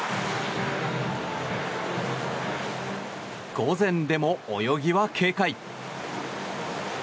午前でも泳ぎは軽快。